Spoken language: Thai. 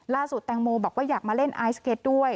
ล่าสุดแตงโมว่าอยากมาเล่นไอศเกตด้วย